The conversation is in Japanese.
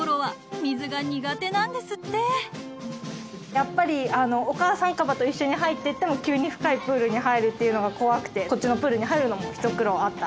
やっぱりお母さんカバと一緒に入ってっても急に深いプールに入るっていうのが怖くてこっちのプールに入るのも一苦労あった。